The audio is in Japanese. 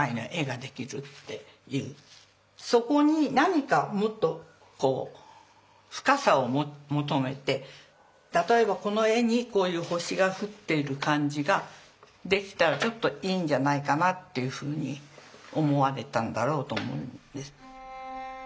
そこに何かもっと深さを求めて例えばこの絵にこういう星が降っている感じができたらちょっといいんじゃないかなっていうふうに思われたんだろうと思うんです。